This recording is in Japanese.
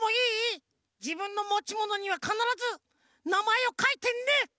じぶんのもちものにはかならずなまえをかいてね！